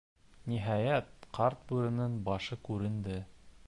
Ниһайәт, ҡарт бүренең башы күренде.